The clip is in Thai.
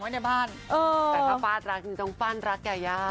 ในบ้านแต่ถ้าฟาดรักจริงต้องฟาดรักยายา